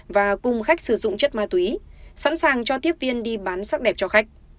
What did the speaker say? và cùng khách sử dụng chất ma túy sẵn sàng cho tiếp viên đi bán sắc đẹp cho khách